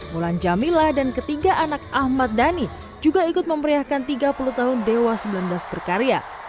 mulan jamila dan ketiga anak ahmad dhani juga ikut memeriahkan tiga puluh tahun dewa sembilan belas berkarya